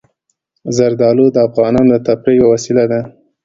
زردالو د افغانانو د تفریح یوه وسیله ده.